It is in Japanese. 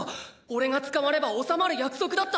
おれが捕まれば収まる約束だったはずだ！！